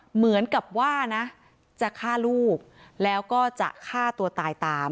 เหมือนกับว่านะจะฆ่าลูกแล้วก็จะฆ่าตัวตายตาม